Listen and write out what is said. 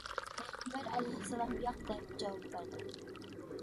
پەيغەمبەر ئەلەيھىسسالام: «ياق! » دەپ جاۋاب بەردى.